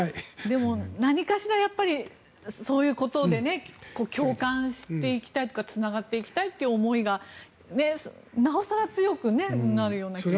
でも、何かしらやはりそういうことで共感していきたいというかつながっていきたいという思いがなおさら強くなるような気がします。